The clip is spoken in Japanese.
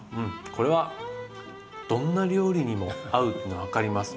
これはどんな料理にも合うっていうの分かります。